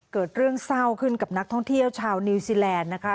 เกิดเรื่องเศร้าขึ้นกับนักท่องเที่ยวชาวนิวซีแลนด์นะคะ